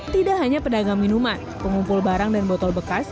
tidak hanya pedagang minuman pengumpul barang dan botol bekas